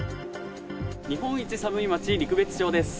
日本一寒い町、陸別町です。